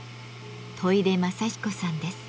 戸出雅彦さんです。